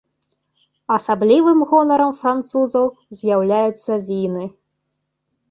Асаблівым гонарам французаў з'яўляюцца віны.